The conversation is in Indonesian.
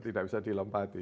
tidak bisa dilembati